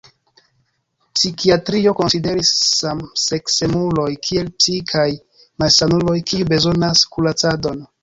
Psikiatrio konsideris samseksemuloj kiel psikaj malsanuloj kiuj bezonas kuracadon.